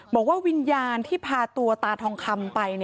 บอกว่าวิญญาณที่พาตัวตาทองคำไป